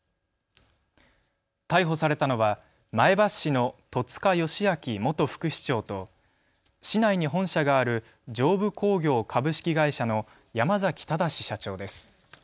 逮捕されたのは前橋市の戸塚良明元副市長と、市内に本社がある上武工業株式会社の山崎正社長です。